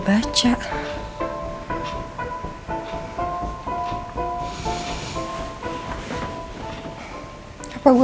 kamu istirahat aja ya